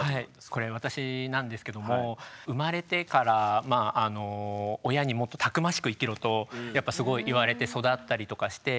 これ私なんですけども生まれてからまああの親にもっとたくましく生きろとやっぱすごい言われて育ったりとかして。